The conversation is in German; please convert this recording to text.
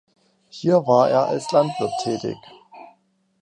Hier war er als Landwirt tätig.